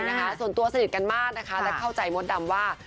นะคะส่วนตัวสนิทกันมากนะคะและเข้าใจมดดำว่า